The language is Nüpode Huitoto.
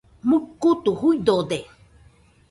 Mukutu juidode.